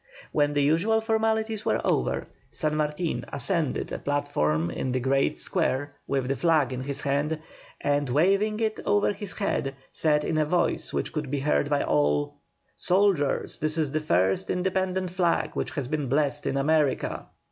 When the usual formalities were over, San Martin ascended a platform in the great square with the flag in his hand, and waving it over his head, said in a voice which could be heard by all: "Soldiers! This is the first independent flag which has been blessed in America."